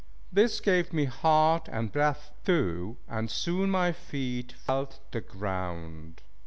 This gave me heart and breath too, and soon my feet felt the ground.